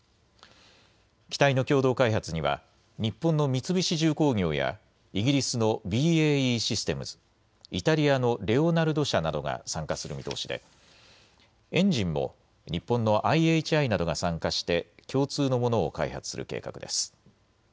機体の共同開発には日本の三菱重工業やイギリスのＢＡＥシステムズ、イタリアのレオナルド社などが参加する見通しでエンジンも日本のＩＨＩなどが参加して共通のものを開発する計画です。